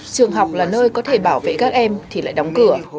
trường học là nơi có thể bảo vệ các em thì lại đóng cửa